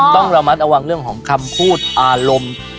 ต้องระมัดระวังเรื่องของคำพูดอารมณ์